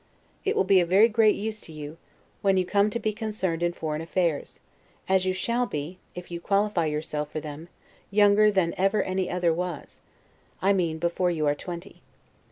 It will be of very great use to you, when you come to be concerned in foreign affairs; as you shall be (if you qualify yourself for them) younger than ever any other was: I mean before you are twenty.